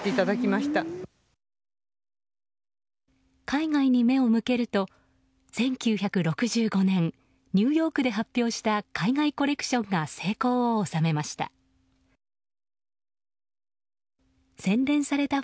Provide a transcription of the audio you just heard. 海外に目を向けると１９６５年ニューヨークで発表した海外コレクションが成功を収めました。